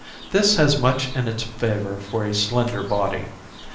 This has much in its favor for a slender body.